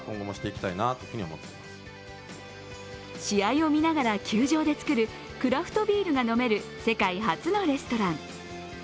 試合を見ながら球場で造るクラフトビールが飲める世界初のレストラン。